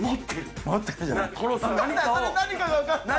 その何かが分かんない。